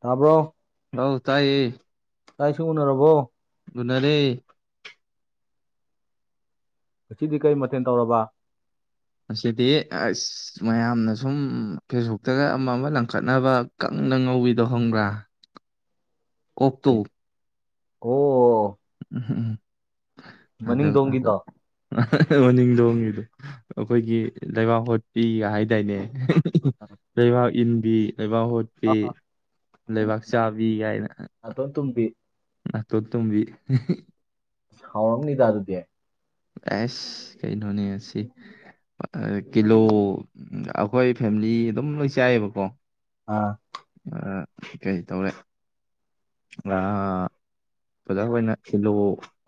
ꯇꯥꯕ꯭ꯔꯣ ꯑꯧ ꯇꯥꯏꯌꯦ ꯆꯛ ꯏꯁꯤꯡ ꯎꯅꯔꯕꯣ ꯎꯅꯔꯦ ꯉꯁꯤꯗꯤ ꯀꯩ ꯃꯊꯦꯜ ꯇꯧꯔꯕ ꯉꯁꯤꯗꯤ ꯑꯁ ꯃꯌꯥꯝꯅ ꯁꯨꯝ ꯐꯦꯁꯕꯨꯛꯇꯒ ꯑꯃ ꯑꯃ ꯂꯪꯈꯠꯅꯕ ꯀꯛ ꯅꯪ ꯉꯧꯕꯤꯗꯣ ꯈꯪꯕ꯭ꯔꯥ [inaudible] ꯑꯣꯛꯇꯣ ꯀꯩ ꯑꯣ ꯎꯝ ꯎꯝ ꯑꯗ ꯑꯗ ꯃꯅꯤꯡꯗꯣꯡꯒꯤꯗꯣ ꯃꯅꯤꯡ ꯊꯣꯡꯒꯤꯗꯣ ꯑꯩꯈꯣꯏꯒꯤ ꯂꯩꯕꯥꯛ ꯍꯣꯠꯄꯤꯒ ꯍꯥꯏꯗꯥꯏꯅꯦ ꯍꯦ ꯍꯦ ꯂꯩꯕꯥꯛ ꯏꯟꯕꯤ ꯂꯩꯕꯥꯛ ꯍꯣꯠꯄꯤ ꯑꯥ ꯂꯩꯕꯥꯛ ꯆꯥꯕꯤ ꯀꯥꯏꯅ ꯅꯥꯇꯣꯟ ꯇꯨꯝꯕꯤ ꯅꯇꯦ ꯇꯨꯝꯕꯤ ꯍꯥꯎꯔꯝꯅꯤꯗ ꯑꯗꯨꯗꯤ ꯑꯦꯁ ꯀꯩꯅꯣꯅꯤ ꯉꯁꯤ ꯀꯤꯂꯣ ꯑꯩꯈꯣꯏ ꯐꯦꯃꯤꯂꯤ ꯑꯗꯨꯝ ꯂꯣꯏ ꯆꯥꯏꯑꯕꯀꯣ ꯑꯥ ꯀꯩ ꯇꯧꯔꯦ ꯑꯣꯖꯥ ꯍꯣꯏꯅ ꯀꯤꯂꯣ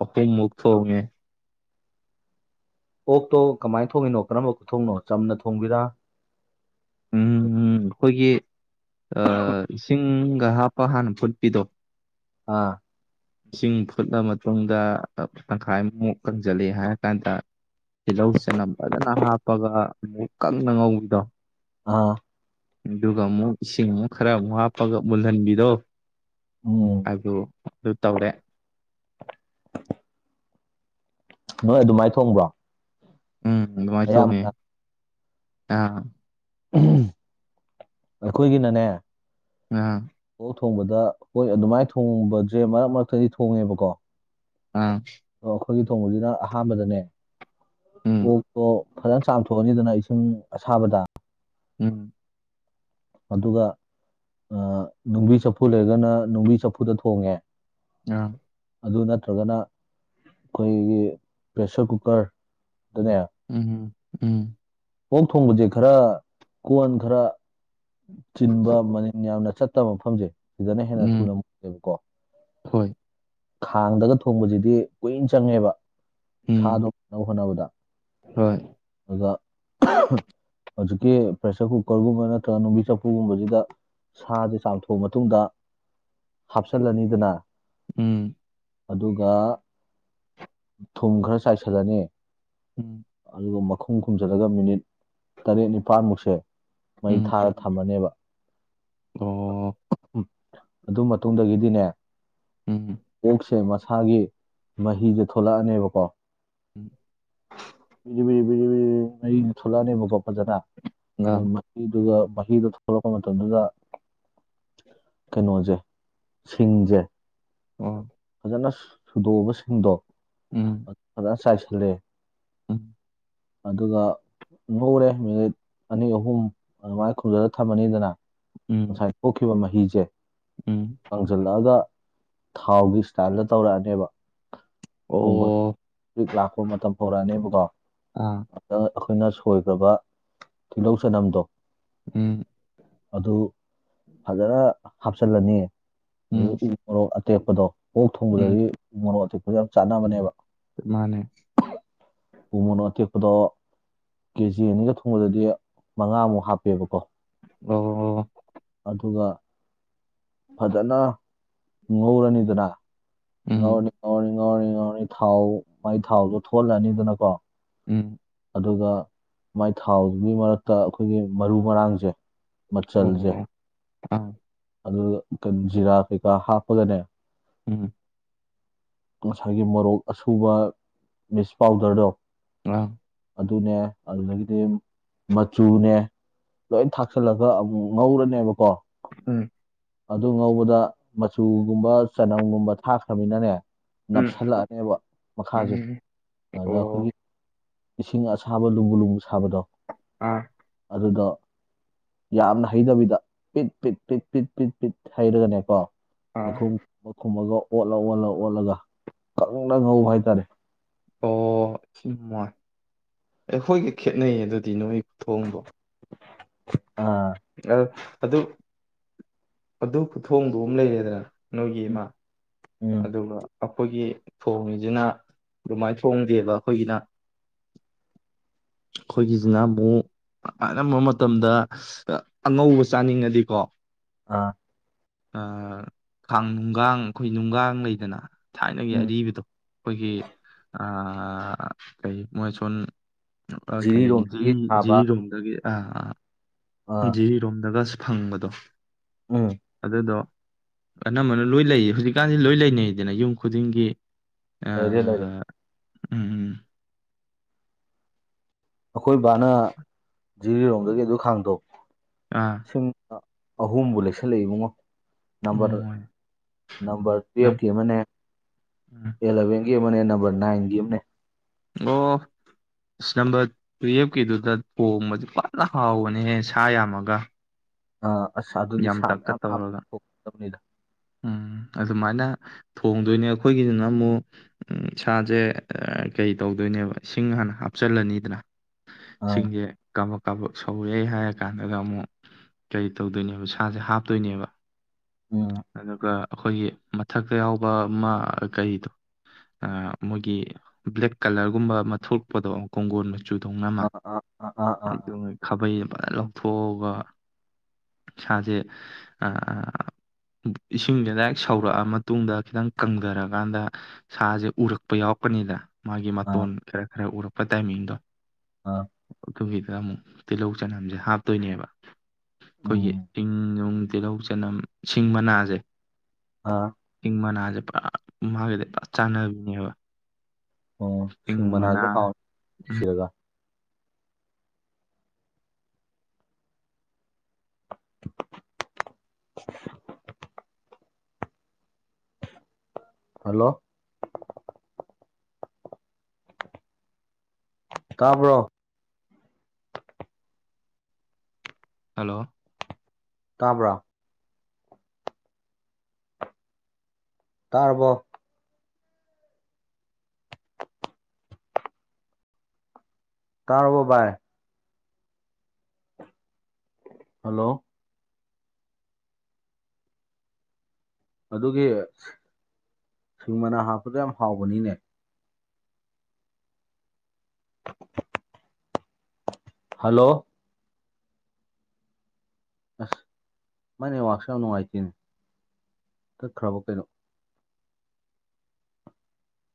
ꯑꯍꯨꯝꯃꯨꯛ ꯊꯣꯡꯉꯦ ꯑꯣꯛꯇꯣ ꯀꯃꯥꯏꯅ ꯊꯣꯡꯉꯤꯅꯣ ꯀꯔꯝꯕ ꯊꯣꯡꯅꯣ ꯆꯝꯅ ꯊꯣꯡꯕꯤꯔꯥ ꯎꯝ ꯑꯩꯈꯣꯏꯒꯤ ꯑꯥ ꯏꯁꯤꯡ ꯀ ꯍꯥꯞꯄ ꯍꯥꯟꯅ ꯐꯨꯠꯄꯤꯗꯣ ꯑꯥ ꯏꯁꯤꯡ ꯐꯨꯠꯂ ꯃꯇꯨꯡꯗ ꯇꯪꯈꯥꯏꯃꯨꯃꯨꯛ ꯀꯪꯁꯤꯂꯦ ꯍꯥꯏꯔ ꯀꯥꯟꯗ ꯇꯤꯜꯍꯧ ꯆꯦꯅꯝ ꯐꯖꯅ ꯍꯥꯞꯄꯒ ꯑꯃꯨꯛ ꯀꯪꯅ ꯉꯧꯕꯤꯗꯣ ꯑꯥ ꯑꯗꯨꯒ ꯑꯃꯨꯛ ꯏꯁꯤꯡ ꯑꯃꯨꯛ ꯈꯔ ꯑꯃꯨꯛ ꯍꯥꯞꯄꯒ ꯃꯨꯜꯍꯟꯕꯤꯗꯣ ꯎꯝ ꯑꯗꯨ ꯑꯗꯨ ꯇꯧꯔꯦ ꯅꯣꯏ ꯑꯗꯨꯃꯥꯏ ꯊꯣꯡꯕ꯭ꯔꯣ ꯎꯝ ꯑꯗꯨꯃꯥꯏꯅ ꯊꯣꯡꯉꯦ ꯑꯌꯥꯝꯕꯅ ꯑꯥ ꯎꯝ ꯑꯩꯈꯣꯏꯒꯤꯅꯅꯦ ꯉꯔꯥꯡ ꯑꯣꯛ ꯊꯣꯡꯕꯗ ꯍꯣꯏ ꯑꯗꯨꯃꯥꯏꯅ ꯊꯣꯡꯕꯖꯦ ꯃꯔꯛ ꯃꯔꯛꯇꯗꯤ ꯊꯣꯡꯉꯦꯕꯀꯣ ꯑꯥ ꯑꯈꯣꯏꯅ ꯊꯣꯡꯕꯁꯤꯗ ꯑꯍꯥꯟꯕꯗꯅꯦ ꯎꯝ ꯑꯣꯛꯇꯣ ꯐꯖꯅ ꯆꯥꯝꯊꯣꯛꯑꯅꯤꯗꯅ ꯏꯁꯤꯡ ꯑꯁꯥꯕꯗ ꯎꯝ ꯑꯗꯨꯒ ꯅꯨꯡꯕꯤ ꯆꯐꯨ ꯂꯩꯔꯒꯅ ꯅꯨꯡꯕꯤ ꯆꯐꯨꯗ ꯊꯣꯡꯉꯦ ꯑꯥ ꯑꯗꯨ ꯅꯠꯇ꯭ꯔꯒꯅ ꯑꯈꯣꯏꯒꯤ ꯄ꯭ꯔꯦꯁꯔ ꯀꯨꯀꯔ ꯎꯝ ꯎꯝ ꯑꯣꯛ ꯊꯣꯡꯕꯁꯦ ꯈꯔ ꯀꯣꯟ ꯈꯔ ꯆꯤꯟꯕ ꯃꯅꯤꯟ ꯌꯥꯝꯅ ꯆꯠ ꯆꯠꯇꯕ ꯃꯐꯝꯁꯦ ꯁꯤꯗꯅ ꯍꯦꯟꯅ ꯎꯝ ꯊꯨꯅ ꯃꯨꯜꯂꯦꯕꯀꯣ ꯍꯣꯏ ꯈꯥꯡꯗꯒ ꯊꯣꯡꯕꯁꯤꯗꯤ ꯀꯨꯏꯅ ꯆꯪꯉꯦꯕ ꯎꯝ ꯁꯥꯗꯣ ꯐꯨꯠꯅꯕ ꯍꯣꯠꯅꯕꯗ ꯍꯣꯏ ꯑꯗꯨꯒ ꯍꯧꯖꯤꯛꯀꯤ ꯄ꯭ꯔꯦꯁꯔ ꯀꯨꯀꯔꯒꯨꯝꯕ ꯅꯠꯇ꯭ꯔꯒ ꯅꯨꯡꯕꯤ ꯆꯥꯐꯨꯒꯨꯝꯕꯁꯤꯗ ꯁꯥꯁꯦ ꯆꯥꯝꯊꯣꯛꯑ ꯃꯇꯨꯡꯗ ꯍꯥꯞꯆꯜꯂꯅꯤꯗꯅ ꯎꯝ ꯑꯗꯨꯒ ꯊꯨꯝ ꯈꯔ ꯆꯥꯏꯁꯤꯜꯂꯅꯤ ꯎꯝ ꯑꯗꯨꯒ ꯃꯈꯨꯝ ꯈꯨꯝꯖꯤꯜꯂꯒ ꯃꯤꯅꯤꯠ ꯇꯔꯦꯠ ꯅꯤꯄꯥꯜꯃꯨꯛꯁꯦ ꯃꯩ ꯎꯝ ꯊꯥꯔ ꯊꯝꯃꯅꯦꯕ ꯑꯗꯨ ꯃꯇꯨꯡꯗꯒꯤꯗꯤꯅꯦ ꯑꯣꯛꯁꯦ ꯃꯁꯥꯒꯤ ꯃꯍꯤꯖꯦ ꯊꯣꯛꯂꯛꯑꯅꯦꯕꯀꯣ ꯄꯤꯔꯤ ꯄꯤꯔꯤ ꯄꯤꯔꯤꯔꯤ ꯃꯔꯤꯗꯨ ꯊꯣꯛꯂꯛꯑꯅꯦꯕꯀꯣ ꯐꯖꯅ ꯃꯍꯤꯗꯨꯒ ꯃꯍꯤꯗꯣ ꯊꯣꯛꯂꯛꯄ ꯃꯇꯝꯗꯨꯗ ꯀꯩꯅꯣꯁꯦ ꯁꯤꯡꯁꯦ ꯐꯖꯅ ꯁꯨꯗꯣꯛꯑꯎꯕꯁꯤꯡꯗꯣ ꯐꯖꯅ ꯆꯥꯏꯁꯤꯜꯂꯦ ꯑꯗꯨꯒ ꯉꯧꯔꯦ ꯃꯤꯅꯤꯠ ꯑꯅꯤ ꯑꯍꯨꯝ ꯑꯗꯨꯃꯥꯏꯅ ꯈꯨꯝꯖꯤꯜꯂ ꯊꯝꯃꯅꯤꯗꯅ ꯉꯁꯥꯏ ꯊꯣꯛꯈꯤꯕ ꯃꯍꯤꯁꯦ ꯀꯥꯡꯖꯤꯜꯂꯛꯑꯒ ꯊꯥꯎꯒꯤ ꯁ꯭ꯇꯥꯏꯜꯗ ꯇꯧꯔꯛꯑꯅꯦꯕ ꯈꯨꯡꯒꯣꯜ ꯂꯥꯛꯄ ꯃꯇꯝ ꯍꯧꯔꯛ ꯑꯅꯤꯕꯀꯣ ꯑꯈꯣꯏꯅ ꯁꯣꯏꯈ꯭ꯔꯕ ꯇꯤꯜꯍꯧ ꯆꯅꯝꯗꯣ ꯑꯗꯨ ꯐꯖꯅ ꯍꯥꯞꯆꯤꯜꯂꯅꯤ ꯑꯗꯒꯤ ꯎ ꯃꯣꯔꯣꯛ ꯑꯇꯦꯛꯄꯗꯣ ꯑꯣꯛ ꯊꯣꯡꯕꯗꯗꯤ ꯎ ꯃꯣꯔꯣꯛ ꯑꯇꯦꯛꯄꯗ ꯌꯥꯝ ꯆꯥꯅꯕꯅꯦꯕ ꯃꯥꯅꯦ ꯎ ꯃꯣꯔꯣꯛ ꯑꯇꯦꯛꯄꯗꯣ ꯀꯦ ꯖꯤ ꯑꯅꯤꯒ ꯊꯣꯡꯕꯗꯗꯤ ꯃꯉꯥꯃꯨꯛ ꯍꯥꯞꯄꯦꯕꯀꯣ ꯑꯗꯨꯒ ꯐꯖꯅ ꯉꯧꯔꯅꯤꯗꯅ ꯉꯧꯔꯅꯤ ꯉꯧꯔꯅꯤ ꯉꯧꯔꯅꯔ ꯉꯧꯔꯅꯤ ꯊꯥꯎ ꯃꯥꯏ ꯊꯥꯎꯗꯣ ꯊꯣꯛꯍꯜꯂꯅꯤꯗꯅꯀꯣ ꯑꯗꯨꯒ ꯃꯥꯏ ꯊꯥꯎꯗꯨꯒꯤ ꯃꯔꯛꯇ ꯑꯈꯣꯏꯒꯤ ꯃꯔꯨ ꯃꯔꯥꯡꯁꯦ ꯃꯆꯜꯖꯦ ꯑꯗꯨꯒ ꯖꯤꯔꯥ ꯀꯩꯀꯥ ꯍꯥꯞꯄꯒꯅꯦ ꯉꯁꯥꯏꯒꯤ ꯃꯣꯔꯣꯛ ꯑꯁꯨꯕ ꯃꯤꯛꯁ ꯄꯥꯎꯗꯔꯗꯣ [unintelligible] ꯑꯗꯨꯅꯦ ꯑꯗꯨꯗꯒꯤꯗꯤ ꯃꯆꯨꯅꯦ ꯂꯣꯏ ꯊꯥꯛꯆꯤꯜꯂꯒ ꯑꯃꯨꯛ ꯉꯧꯔꯅꯦꯕꯀꯣ ꯎꯝ ꯑꯗꯨ ꯉꯧꯕꯗ ꯃꯆꯨꯒꯨꯝꯕ ꯆꯅꯝꯒꯨꯝꯕ ꯊꯥꯛꯈ꯭ꯔꯃꯤꯅꯅꯦ ꯅꯞꯁꯤꯜꯂꯛꯑꯅꯦꯕ ꯃꯈꯥꯁꯦ ꯑꯗꯨꯗ ꯑꯈꯣꯏꯒꯤ ꯏꯁꯤꯡ ꯑꯁꯥꯕ ꯂꯨꯝꯕꯨ ꯂꯨꯝꯕꯨ ꯁꯥꯕꯗꯣ ꯑꯗꯨꯗ ꯌꯥꯝꯅ ꯍꯩꯗꯕꯤꯗ ꯄꯤꯠ ꯄꯤꯠ ꯄꯤꯠ ꯄꯤꯠ ꯄꯤꯠ ꯄꯤꯠ ꯍꯩꯔꯒꯅꯦꯀꯣ ꯃꯈꯨꯝ ꯃꯈꯨꯝꯃꯒ ꯑꯣꯠꯂ ꯑꯣꯠꯂ ꯑꯣꯠꯂꯒ ꯀꯪꯅ ꯉꯧꯕ ꯍꯥꯏ ꯇꯔꯦ ꯑꯣ ꯁꯤ ꯋꯥꯏ ꯑꯩꯈꯣꯏꯒ ꯈꯦꯠꯅꯩꯌꯦ ꯑꯗꯨꯗꯤ ꯅꯣꯏ ꯊꯣꯡꯉꯕꯣ ꯑꯥ ꯑ ꯑꯗꯨ ꯑꯗꯨ ꯈꯨꯊꯣꯡꯗꯣ ꯑꯃ ꯂꯩꯔꯦꯗꯅ ꯅꯣꯏꯒꯤ ꯏ ꯎꯝ ꯃꯥ ꯎꯝ ꯑꯗꯨꯒ ꯑꯩꯈꯣꯏꯒꯤ ꯊꯣꯡꯉꯤꯁꯤꯅ ꯑꯗꯨꯃꯥꯏꯅ ꯊꯣꯡꯗꯦꯕ ꯑꯩꯈꯣꯏꯒꯤꯅ [inaudible] ꯑꯩꯈꯣꯏꯒꯤꯖꯤꯅ ꯑꯃꯨꯛ ꯑꯅꯝꯕ ꯃꯇꯝꯗ ꯑ ꯑꯉꯧꯕ ꯆꯥꯅꯤꯡꯉꯗꯤꯀꯣ ꯑꯥ ꯑ ꯈꯪ ꯒꯥꯡ ꯑꯈꯣꯢ ꯅꯨꯡꯒꯥꯡ ꯂꯩꯗꯅ ꯊꯥꯏꯅꯒꯤ ꯎꯝ ꯑꯔꯤꯕꯗꯣ ꯑꯩꯈꯣꯏꯒꯤ ꯑ ꯀꯩ ꯃꯣꯏꯁꯣꯟ ꯑ ꯀ ꯑꯩꯒꯤ ꯖꯤꯔꯤꯔꯣꯝꯗꯒꯤ ꯖꯤꯔꯤ ꯁꯥꯕ ꯖꯤꯔꯤꯔꯣꯝꯗꯒꯤ ꯑꯥꯥ ꯑꯥ ꯖꯤꯔꯤꯔꯣꯝꯗꯒꯁꯨ ꯐꯪꯕꯗꯣ ꯎꯝ ꯑꯗꯨꯗꯣ ꯑꯅꯝꯕꯅ ꯂꯣꯏ ꯂꯩꯌꯦ ꯍꯧꯖꯤꯛꯀꯥꯟꯁꯤ ꯂꯣꯏ ꯂꯩꯅꯩꯗꯅ ꯌꯨꯝ ꯈꯨꯗꯤꯡꯒꯤ ꯂꯣꯢꯔꯦ ꯂꯣꯢꯔꯦ ꯎꯝ ꯎꯝ ꯑꯩꯈꯣꯏ ꯕꯥꯅ ꯖꯤꯔꯤꯔꯣꯝꯗꯒꯤ ꯑꯗꯨ ꯈꯥꯡꯗꯣ ꯑꯥ ꯁꯨꯝ ꯑꯍꯨꯝꯕꯨ ꯂꯩꯁꯜꯂꯛꯏ ꯏꯕꯨꯡꯉꯣ ꯅꯝꯕ꯭ꯔ ꯏꯃꯣꯏ ꯅꯝꯕ꯭ꯔ ꯇꯨꯋꯦꯞ ꯎꯝ ꯀꯤ ꯑꯃꯅꯦ ꯑꯦꯂꯕꯦꯟ ꯇꯨꯋꯦꯞ ꯑꯃꯅꯦ ꯅꯝꯕꯔ ꯅꯥꯏꯟꯒꯤ ꯑꯃꯅꯦ ꯑꯣ ꯑꯁ ꯅꯝꯕꯔ ꯇꯨꯌꯦꯐꯀꯤꯗꯨꯗ ꯊꯣꯡꯕꯁ ꯐꯖꯅ ꯍꯥꯎꯕꯅꯦꯍꯦ ꯁꯥ ꯌꯥꯝꯃꯒ ꯑꯥ ꯑꯁ ꯑꯗꯨꯗꯤ ꯌꯥꯝ ꯁꯥ ꯇꯛꯀ ꯃꯌꯥꯝ ꯍꯥꯞ ꯇꯧꯔꯒ ꯊꯣꯛꯀꯗꯕꯅꯤꯗ ꯎꯝ ꯑꯗꯨꯃꯥꯏꯅ ꯊꯣꯡꯗꯣꯏꯅꯦ ꯑꯩꯈꯣꯏꯒꯤꯗꯨꯅ ꯑꯃꯨꯛ ꯁꯥꯁꯦ ꯀꯩ ꯇꯧꯗꯣꯏꯅꯣ ꯅꯦꯕ ꯏꯁꯤꯡ ꯍꯥꯟꯅ ꯍꯥꯞꯆꯤꯜꯂꯅꯤꯗꯅ ꯑꯥ ꯏꯁꯤꯡꯁꯦ ꯀꯕ ꯀꯕ ꯁꯧꯔꯦ ꯍꯥꯏꯔ ꯀꯥꯟꯗꯨꯗ ꯑꯃꯨꯛ ꯀꯔꯤ ꯇꯧꯗꯣꯏꯅꯣ ꯑꯗꯨ ꯁꯥꯁꯦ ꯍꯥꯞꯇꯣꯏꯅꯦꯕ ꯎꯝ ꯑꯗꯨꯒ ꯑꯩꯈꯣꯏꯒꯤ ꯃꯊꯛꯇ ꯌꯥꯎꯕ ꯑꯃ ꯀꯔꯤꯗꯣ ꯑ ꯃꯣꯏꯒꯤ ꯕ꯭ꯂꯦꯛ ꯀꯂꯔꯒꯨꯝꯕ ꯑꯃ ꯊꯣꯛꯄꯗꯣ ꯀꯣꯡꯒꯣꯟ ꯃ ꯆꯨꯊꯨꯡꯅꯃ ꯑꯥ ꯑꯥ ꯑꯥ ꯑꯥ ꯑꯗꯣ ꯑꯥ ꯑꯥ ꯈꯥꯕꯩ ꯐꯖꯅ ꯂꯧꯊꯣꯛꯑꯒ ꯁꯥꯥꯁꯦ ꯑꯥ ꯏꯁꯤꯡꯁꯤꯅ ꯁꯧꯔꯛꯑ ꯃꯇꯨꯡꯗ ꯈꯤꯇꯪ ꯀꯪꯊꯔꯀꯥꯟꯗ ꯁꯥꯁꯦ ꯎꯔꯛꯄ ꯌꯥꯎ ꯌꯥꯎꯔꯛꯄꯅꯤꯗ ꯃꯥꯒꯤ ꯑꯥ ꯃꯇꯣꯟ ꯈꯔ ꯈꯔ ꯎꯔꯛꯄ ꯇꯥꯏꯃꯤꯡꯗꯣ ꯑꯥ ꯑꯗꯨꯒꯤꯗ ꯑꯃꯨꯛ ꯇꯤꯜꯍꯧ ꯆꯅꯝꯁꯦ ꯍꯥꯞꯇꯣꯏꯅꯦꯕ ꯑꯩꯈꯣꯏꯒꯤ ꯎꯝ ꯆꯤꯡ ꯅꯨꯡ ꯇꯤꯜꯍꯧ ꯆꯅꯝ ꯁꯤꯡ ꯃꯅꯥꯖꯦ ꯑꯥ ꯃꯅꯥꯁꯦ ꯄꯨꯔ ꯃꯥꯒꯗꯤ ꯄꯨ ꯆꯥꯟꯅꯕꯤꯅꯦꯕ ꯑꯣ ꯏꯪ ꯁꯤꯡ ꯃꯅꯥ ꯃꯅꯥꯁꯨ ꯍꯥꯎꯅ ꯅꯨꯡꯁꯤꯔꯒ [inaudible] ꯍꯜꯂꯣ ꯇꯥꯕ꯭ꯔꯣ ꯍꯂꯣ ꯇꯥꯕ꯭ꯔꯥ ꯇꯥꯔꯕꯣ ꯇꯥꯔꯕꯣ ꯕ ꯥꯏ ꯍꯜꯂꯣ ꯑꯗꯨꯒꯤ ꯁꯤꯡ ꯃꯅꯥ ꯍꯥꯞꯄꯗꯣ ꯌꯥꯝ ꯍꯥꯎꯕꯅꯤꯅꯦ ꯍꯜꯂꯣ ꯑꯁ ꯃꯥꯢ ꯅꯦꯠꯋꯥꯛꯁꯦ ꯌꯥꯝ ꯅꯨꯡꯉꯥꯏꯇꯦꯅꯦ ꯇꯠꯈ꯭ꯔꯕ ꯀꯩꯅꯣ